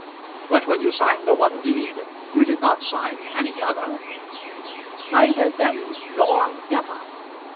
"But when you signed the one deed, you did not sign any other?" "Neither then nor never."